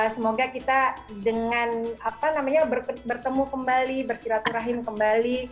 semoga kita dengan apa namanya bertemu kembali bersirat rahim kembali